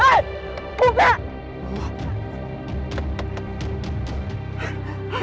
hei buka pintunya hei buka